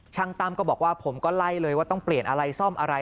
ตั้มก็บอกว่าผมก็ไล่เลยว่าต้องเปลี่ยนอะไรซ่อมอะไร